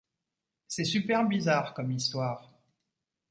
C’est super bizarre, comme histoire…